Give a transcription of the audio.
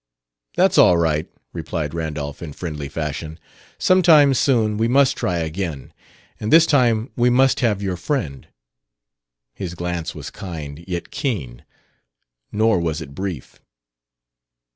"That's all right," replied Randolph, in friendly fashion. "Some time, soon, we must try again. And this time we must have your friend." His glance was kind, yet keen; nor was it brief.